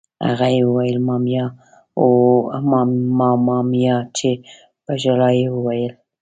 هغه یې ویل: مامیا! اوه ماما میا! چې په ژړا یې وویل.